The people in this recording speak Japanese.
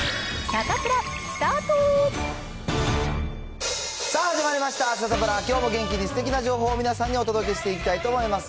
さあ、始まりましたサタプラ、きょうも元気にすてきな情報を皆さんにお届けしていきたいと思います。